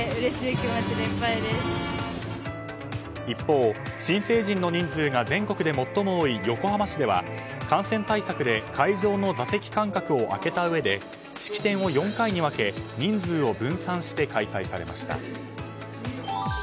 一方、新成人の人数が全国で最も多い横浜市では感染対策で会場の座席間隔を空けたうえで式典を４回に分け人数を分散して開催されました。